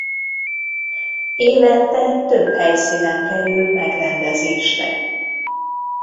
Évente több helyszínen kerül megrendezésre.